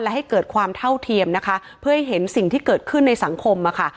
และให้เกิดความเท่าเทียมนะคะเพื่อให้เห็นสิ่งที่เกิดขึ้นในสังคมอะค่ะ